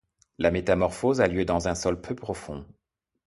La métamorphose a lieu dans un sol peu profond.